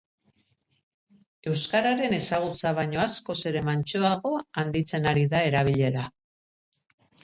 Euskararen ezagutza baino askoz ere mantsoago handitzen ari da erabilera.